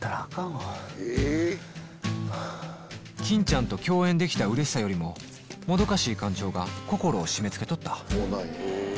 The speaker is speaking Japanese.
欽ちゃんと共演できたうれしさよりももどかしい感情が心を締め付けとった